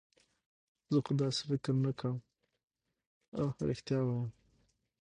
زه خو داسې فکر نه کوم، اوه رښتیا وایم.